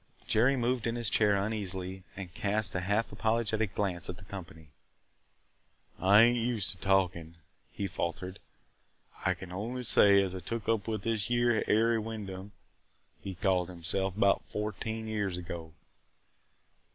Jerry moved in his chair uneasily and cast a half apologetic glance at the company. "I ain't used to talkin'," he faltered. "I can only say as I took up with this yere 'Harry Wyndham,' he called himself, 'bout fourteen years ago.